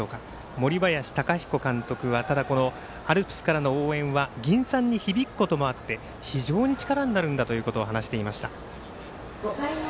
森林貴彦監督はアルプスからの応援は銀傘に響くこともあって非常に力になるんだということを話していました。